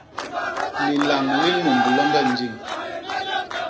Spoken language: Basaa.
Lilañ li nnumb loñge njiñ.